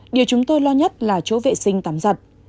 điều chúng tôi lo nhất là chỗ vệ sinh tắm giặt